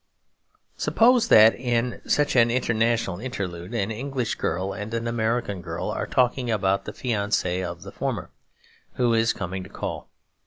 Suppose that, in such an international interlude, an English girl and an American girl are talking about the fiancé of the former, who is coming to call.